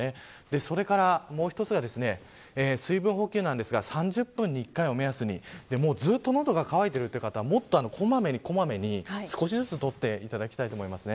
それからもう一つが水分補給なんですが３０分に１回を目安にずっと喉が渇いている方はもっと小まめに少しずつ取っていただきたいと思います。